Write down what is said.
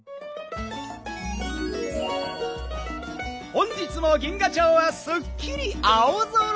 本日も銀河町はすっきり青空！